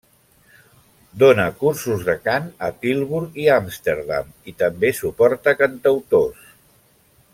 Dóna cursos de cant a Tilburg i Amsterdam i també suporta cantautors.